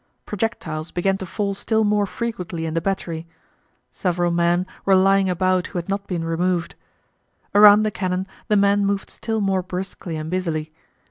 Projectiles began to fall still more frequently in the battery. Several men were lying about who had not been removed. Around the cannon the men moved still more briskly and busily.